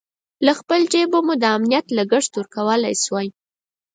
له خپل جېبه مو د امنیت لګښت ورکولای شوای.